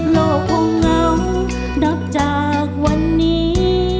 โลกคงเหงานับจากวันนี้